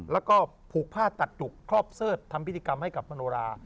แล้วก็ผูกผ้าตัดจุกครอบเสิร์ธทำพิธีกรรมให้กับมโนรา